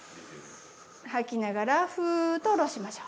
吐きながらフゥーと下ろしましょう。